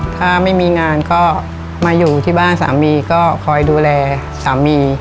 ถ้าไม่มีงานก็มาอยู่ที่บ้านสามีก็คอยดูแลสามี